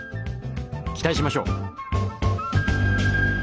期待しましょう！